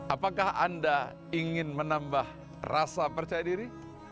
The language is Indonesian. apakah anda ingin menambah rasa percaya diri